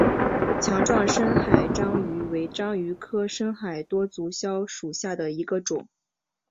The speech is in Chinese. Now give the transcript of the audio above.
强壮深海章鱼为章鱼科深海多足蛸属下的一个种。